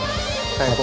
最高。